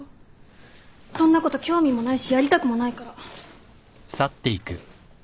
そんなこと興味もないしやりたくもないから。